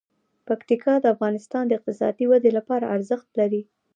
پکتیکا د افغانستان د اقتصادي ودې لپاره ارزښت لري.